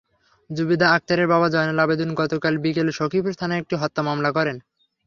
জুবেদা আক্তারের বাবা জয়নাল আবেদীন গতকাল বিকেলে সখীপুর থানায় একটি হত্যা মামলা করেন।